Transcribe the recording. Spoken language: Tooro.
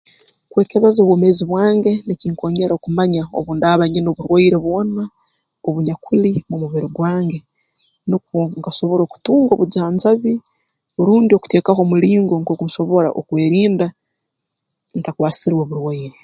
Kwekebeza obwomeezi bwange nikinkoonyera okumanya obu ndaaba nyina oburwaire bwona obunyakuli mu mubiri gwange nukwo nkasobora okutunga obujanjabi rundi okuteekaho omulingo nkooku nsobora okwerinda ntakwasirwe burwaire